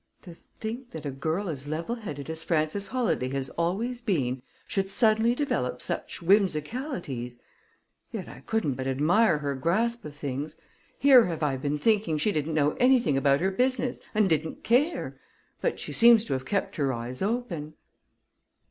"To think that a girl as level headed as Frances Holladay has always been, should suddenly develop such whimsicalities. Yet, I couldn't but admire her grasp of things. Here have I been thinking she didn't know anything about her business and didn't care, but she seems to have kept her eyes open."